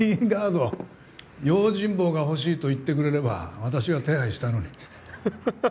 用心棒が欲しいと言ってくれれば私が手配したのに。